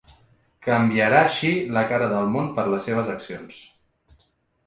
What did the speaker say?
Canviarà així la cara del món per les seves accions.